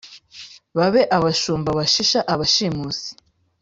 Babe abashumba bashisha abashimusi